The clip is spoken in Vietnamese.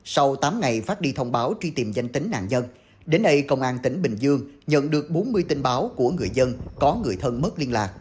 sau tám ngày phát đi thông báo truy tìm danh tính nạn nhân đến nay công an tỉnh bình dương nhận được bốn mươi tin báo của người dân có người thân mất liên lạc